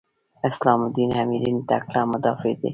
اسلام الدین امیري تکړه مدافع دی.